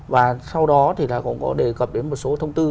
và sau đó thì là cũng có đề cập đến một số thông tư